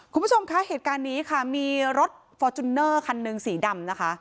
คุณผู้ชมคะเหตุการณ์นี้ค่ะมีรถฟอร์จูเนอร์คันหนึ่งสีดำนะคะ